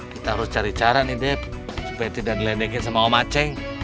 kita harus cari cara nih deb supaya tidak dilendekin sama om acheng